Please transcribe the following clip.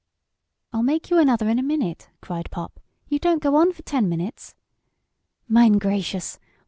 "I'll make you another in a minute!" cried Pop. "You don't go on for ten minutes." "Mine gracious!